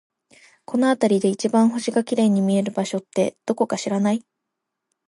この辺りで一番星が綺麗に見える場所って、どこか知らない？